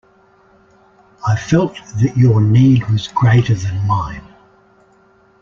I felt that your need was greater than mine.